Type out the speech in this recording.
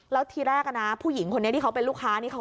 แล้วทีแรกนะผู้หญิงคนนี้ที่เขาเป็นลูกค้านี่เขา